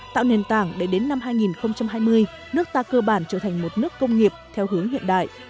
tạo nền tảng để đến năm hai nghìn hai mươi nước ta cơ bản trở thành một nước công nghiệp theo hướng hiện đại